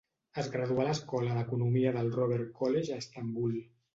Es graduà a l'Escola d'Economia del Robert College a Istanbul.